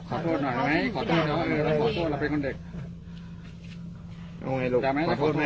ขอโทษเหรอเป็นคนเด็ก